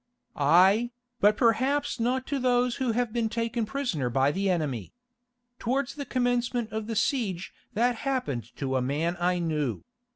"Aye, but perhaps not to those who have been taken prisoner by the enemy. Towards the commencement of the siege that happened to a man I knew.